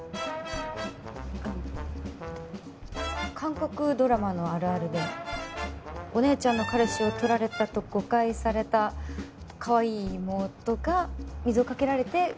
あの韓国ドラマのあるあるでお姉ちゃんの彼氏を取られたと誤解されたかわいい妹が水をかけられて。